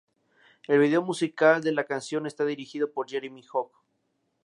El video musical de la canción está dirigido por Jeremy Hogg.